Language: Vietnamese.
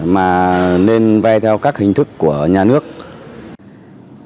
mà nên vay theo các hình thức của các nhóm tín dụng đen